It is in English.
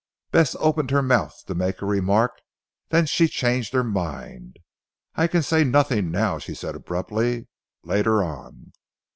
Bess opened her mouth to make a remark, then she changed her mind. "I can say nothing now," she said abruptly, "later on.